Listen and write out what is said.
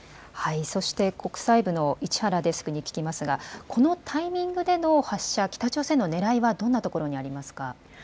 そして国際部の市原デスクに聞きますがこのタイミングでの発射、北朝鮮のねらいはどんなところにありますか。